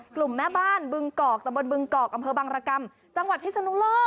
แม่บ้านบึงกอกตะบนบึงกอกอำเภอบังรกรรมจังหวัดพิศนุโลก